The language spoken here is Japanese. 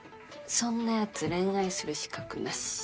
そんなヤツ恋愛する資格なし。